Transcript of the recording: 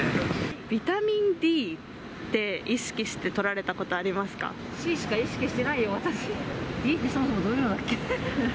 ビタミンＤって意識してとらＣしか意識してないよ、Ｄってそもそもどういうものだっけ？